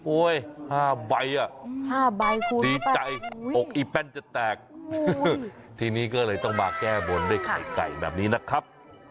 ๕ใบอ่ะ๕ใบคุณดีใจอกอีแป้นจะแตกทีนี้ก็เลยต้องมาแก้บนด้วยไข่ไก่แบบนี้นะครับ